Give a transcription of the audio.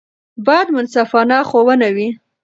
باید منصفانه ښوونه وي.